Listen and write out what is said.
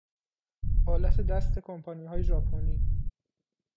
آلت دست کمپانیهای ژاپنی